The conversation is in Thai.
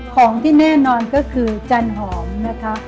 ของที่แน่นอนก็คือจันหอมนะคะ